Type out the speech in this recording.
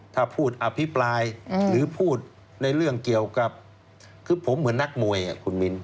ถ้าพูดอภิปรายหรือพูดในเรื่องเกี่ยวกับคือผมเหมือนนักมวยคุณมิ้น